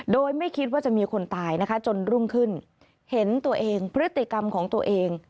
โดยไม่คิดว่าจะมีคนตายนะคะจนรุ่งขึ้นเห็นตัวเองพฤติกรรมของตัวเอง